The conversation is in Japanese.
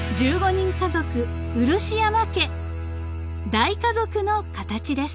大家族の形です］